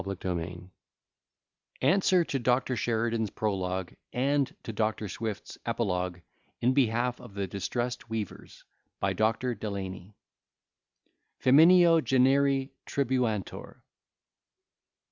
21. W. E. B.] ANSWER TO DR. SHERIDAN'S PROLOGUE, AND TO DR. SWIFT'S EPILOGUE. IN BEHALF OF THE DISTRESSED WEAVERS. BY DR. DELANY. Femineo generi tribuantur.